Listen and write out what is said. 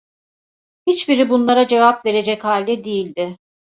Hiçbiri bunlara cevap verecek halde değildi.